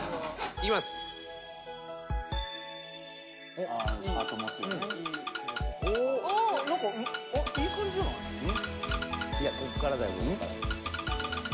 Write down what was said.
いやここからだよ。